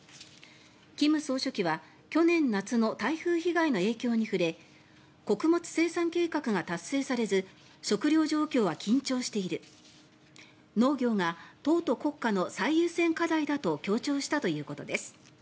金総書記は去年夏の台風被害の影響に触れ穀物生産計画が達成されず食糧状況は緊張している農業が党と国家の最優先課題だと強調したということです。